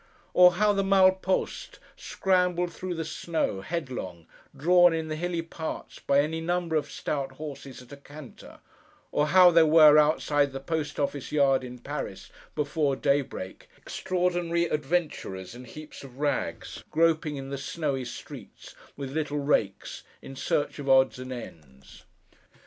Or how the Malle Poste scrambled through the snow, headlong, drawn in the hilly parts by any number of stout horses at a canter; or how there were, outside the Post office Yard in Paris, before daybreak, extraordinary adventurers in heaps of rags, groping in the snowy streets with little rakes, in search of odds and ends.